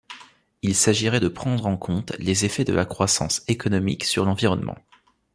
Il s'agirait de prendre en compte les effets de la croissance économique sur l'environnement.